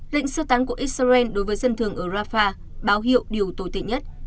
lệnh sơ tán của israel đối với dân thường ở rafah báo hiệu điều tồi tệ nhất